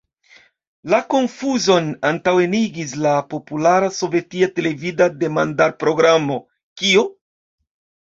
La konfuzon antaŭenigis la populara sovetia televida demandar-programo "Kio?